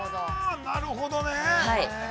◆なるほどね。